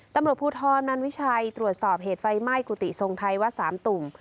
ตำรวจภูทรนันวิชัยตรวจสอบเหตุไฟไหม้กุฏิทรงไทยวัดสามตุ่ม